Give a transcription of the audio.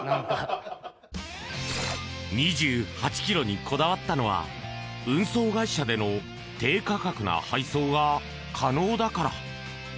２８ｋｇにこだわったのは運送会社での低価格な配送が可能だから。